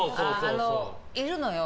いるのよ。